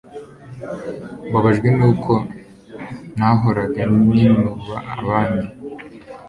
mbabajwe nuko nahoraga ninuba abandi